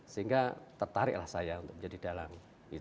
sehingga tertariklah saya untuk menjadi dalang